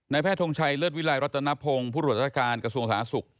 แพทย์ทงชัยเลิศวิลัยรัตนพงศ์ผู้ตรวจราชการกระทรวงสาธารณสุข